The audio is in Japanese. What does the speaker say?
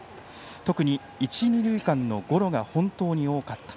特に一、二塁間のゴロが本当に多かった。